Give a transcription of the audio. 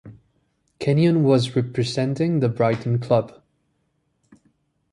Kennion was representing the Brighton club.